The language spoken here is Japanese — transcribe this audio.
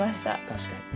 確かに。